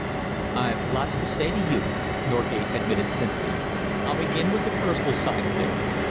"I've lots to say to you," Norgate admitted simply. "I'll begin with the personal side of it.